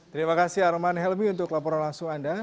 terima kasih arman helmi untuk laporan langsung anda